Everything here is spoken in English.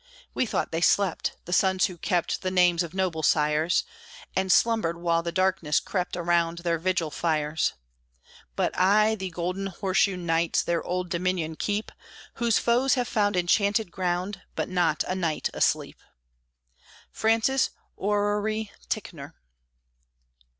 We thought they slept! the sons who kept The names of noble sires, And slumbered while the darkness crept Around their vigil fires; But aye the "Golden Horseshoe" knights Their old Dominion keep, Whose foes have found enchanted ground, But not a knight asleep! FRANCIS ORRERY TICKNOR.